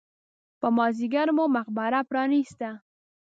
په مازیګر مو مقبره پرانېسته.